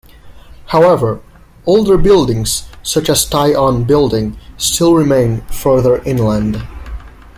However, older buildings such as Tai On Building still remain further inland.